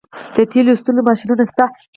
د تیلو ایستلو ماشینونه شته